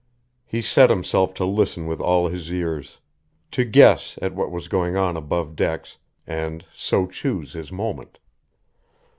He set himself to listen with all his ears; to guess at what was going on above decks, and so choose his moment.